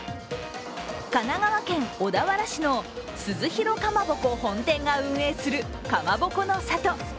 神奈川県小田原市の鈴廣蒲鉾本店が運営するかまぼこの里。